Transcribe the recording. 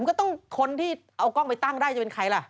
ก็ต้องคนที่เอากล้องไปตั้งได้จะเป็นใครล่ะ